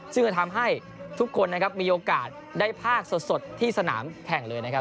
ซึ่งจะทำให้ทุกคนนะครับมีโอกาสได้ภาคสดที่สนามแข่งเลยนะครับ